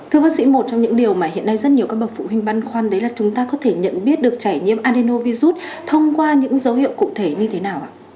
thưa bác sĩ một trong những điều mà hiện nay rất nhiều các bậc phụ huynh băn khoăn đấy là chúng ta có thể nhận biết được trẻ nhiễm adenovisut thông qua những dấu hiệu cụ thể như thế nào ạ